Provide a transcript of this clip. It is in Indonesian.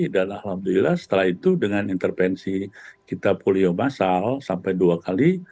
dan alhamdulillah setelah itu dengan intervensi kita polio massal sampai dua kali